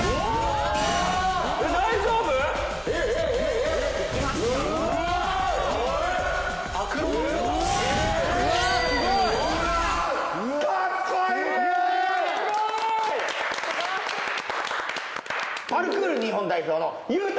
すごい！